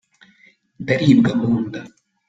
ndaribwa munda.